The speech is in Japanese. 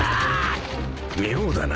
妙だな。